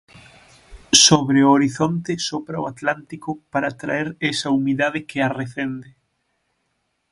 Sobre o horizonte sopra o Atlántico para traer esa humidade que arrecende.